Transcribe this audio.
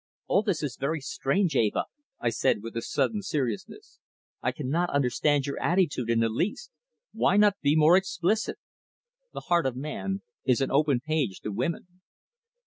"All this is very strange, Eva," I said with a sudden seriousness. "I cannot understand your attitude in the least. Why not be more explicit?" The heart of man is an open page to women.